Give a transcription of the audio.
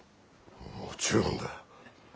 もちろんだ。